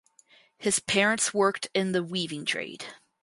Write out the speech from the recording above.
His parents worked in the weaving trade.